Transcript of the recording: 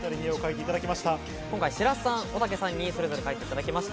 白洲さん、おたけさんにそれぞれ描いていただきました。